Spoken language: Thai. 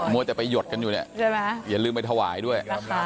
มัวจะไปหยดกันอยู่เนี่ยอย่าลืมไปถวายด้วย